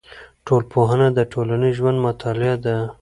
ټولنپوهنه د ټولنیز ژوند مطالعه ده.